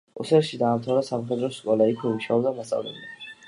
ოსერში დაამთავრა სამხედრო სკოლა, იქვე მუშაობდა მასწავლებლად.